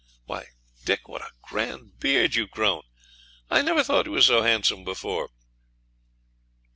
Why, Dick, what a grand beard you've grown! I never thought you was so handsome before!'